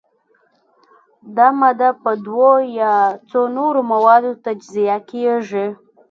دا ماده په دوو یا څو نورو موادو تجزیه کیږي.